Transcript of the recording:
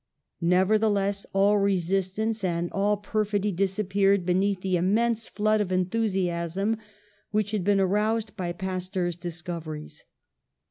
Nevertheless, all resistance and all per fidy disappeared beneath the immense flood of enthusiasm which had been aroused by Pas teur's discoveries.